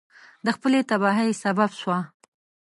د خپلې تباهی سبب سوه.